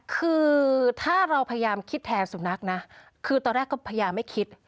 คือถ้าเราพยายามคิดแทนสุนัขนะคือตอนแรกก็พยายามไม่คิด